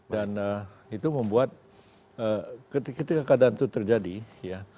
dan itu membuat ketika keadaan itu terjadi ya